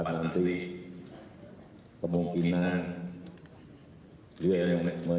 yang kemungkinan besar